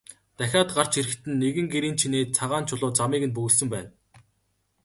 Дахиад гарч ирэхэд нь нэгэн гэрийн чинээ цагаан чулуу замыг нь бөглөсөн байв.